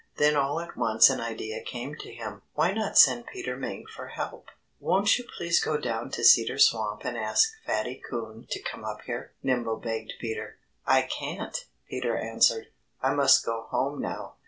Then all at once an idea came to him. Why not send Peter Mink for help? "Won't you please go down to Cedar Swamp and ask Fatty Coon to come up here?" Nimble begged Peter. "I can't," Peter answered. "I must go home now."